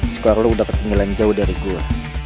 sekarang lo udah ketinggalan jauh dari gue